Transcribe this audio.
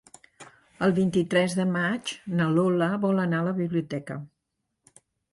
El vint-i-tres de maig na Lola vol anar a la biblioteca.